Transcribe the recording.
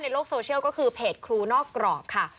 ในโลกโซเชียลก็คือเพจครูนอกกรอบค่ะ